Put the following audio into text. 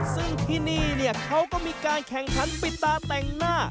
ซึ่งที่นี่เขาก็มีการแข่งขันปิดตาแต่งหน้า